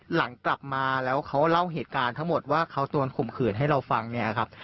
หลังกลับมาแล้วเขาเล่าเหตุการณ์ทั้งหมดว่าเขาโดนข่มขืนให้เราฟังเนี่ยครับ